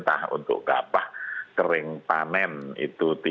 di negara ptrans adult